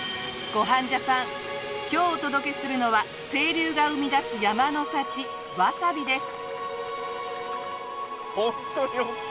『ごはんジャパン』今日お届けするのは清流が生み出す山の幸わさびです。